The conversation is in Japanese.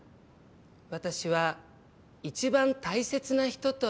私は一番大切な人と。